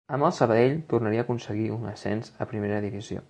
Amb el Sabadell tornaria a aconseguir un ascens a primera divisió.